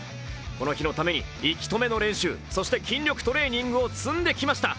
この日のために息止めの練習、そして筋肉トレーニングを積んできました。